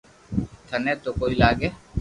ٿني تو ڪوئي لاگي